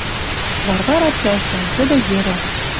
Варвара цӓшӓн. Тӹдӹ йӹрӓ.